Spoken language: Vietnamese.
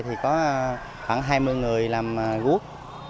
thì có khoảng hai mươi người làm rút